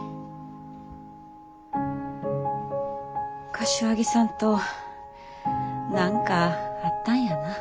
柏木さんと何かあったんやな。